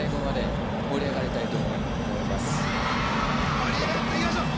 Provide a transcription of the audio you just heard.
盛り上がっていきましょう。